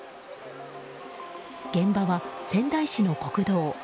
現場は仙台市の国道。